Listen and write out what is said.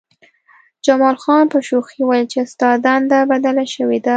جمال خان په شوخۍ وویل چې ستا دنده بدله شوې ده